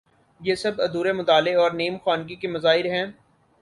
یہ سب ادھورے مطالعے اور نیم خوانگی کے مظاہر ہیں۔